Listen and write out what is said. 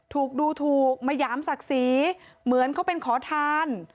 ถูกดูถูกมาหยามศักดิ์ศรีเหมือนเขาเป็นขอทาน